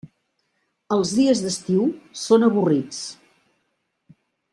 Els dies d'estiu són avorrits.